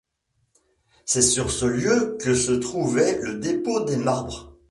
C'est sur ce lieu que se trouvait le dépôt des marbres.